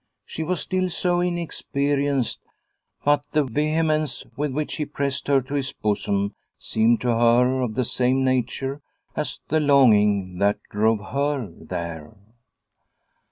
She was still so inexperienced, but the vehemence with which he pressed her to his bosom seemed to her of the same nature as the longing that drove her there.